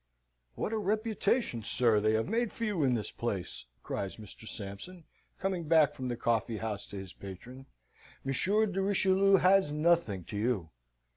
"What a reputation, sir, they have made for you in this place!" cries Mr. Sampson, coming back from the coffee house to his patron. "Monsieur de Richelieu was nothing to you!"